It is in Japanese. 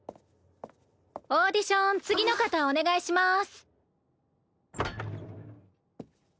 オーディション次の方お願いします。